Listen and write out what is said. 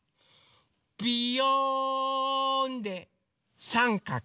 ビヨーンでさんかく。